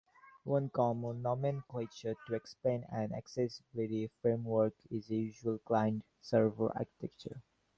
One common nomenclature to explain an accessibility framework is a usual client-server architecture.